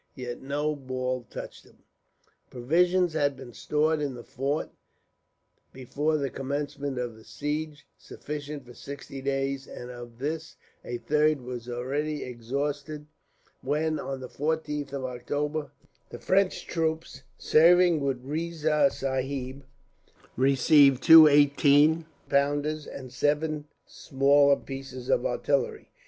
Yet no ball touched him. Provisions had been stored in the fort, before the commencement of the siege, sufficient for sixty days; and of this a third was already exhausted when, on the 14th of October, the French troops serving with Riza Sahib received two eighteen pounders, and seven smaller pieces of artillery.